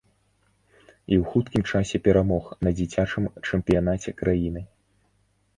І ў хуткім часе перамог на дзіцячым чэмпіянаце краіны.